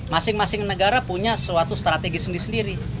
masing masing negara punya suatu strategi sendiri sendiri